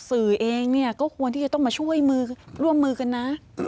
สื่อเองเนี่ยก็ควรที่จะต้องมาช่วยร่วมมือกันนะ